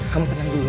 kamu tenang dulu ya